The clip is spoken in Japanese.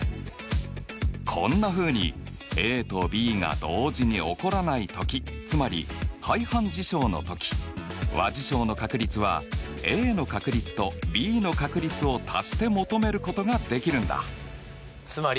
こんなふうにＡとＢが同時に起こらない時つまり排反事象の時和事象の確率はＡの確率とＢの確率を足して求めることができるんだ。